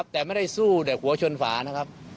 แต่ไม่ได้สู้แต่หัวชนฝานะครับ